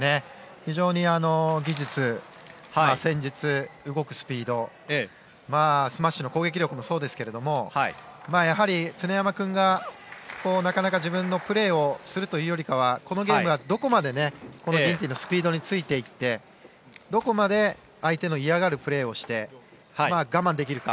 非常に技術、戦術、動くスピードスマッシュの攻撃力もそうですがやなり常山君がなかなか自分のプレーをするというよりかはこのゲームはどこまでギンティンのスピードについていってどこまで相手の嫌がるプレーをして我慢できるか。